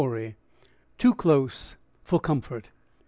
TOO CLOSE FOR COMFORT.